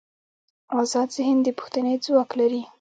ازاد ذهن د پوښتنې ځواک لري.